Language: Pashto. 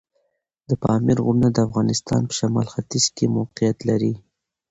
د پامیر غرونه د افغانستان په شمال ختیځ کې موقعیت لري.